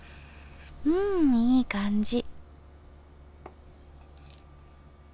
うんいい感じ。